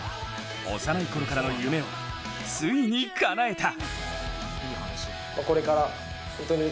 幼いころからの夢をついにかなえた。